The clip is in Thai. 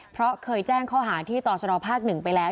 เพราะเคยแจ้งข้อหาที่ต่อชนภาค๑ไปแล้ว